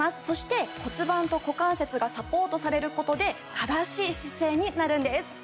そして骨盤と股関節がサポートされる事で正しい姿勢になるんです。